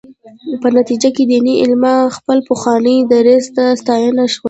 په نتیجه کې دیني علما خپل پخواني دریځ ته ستانه شول.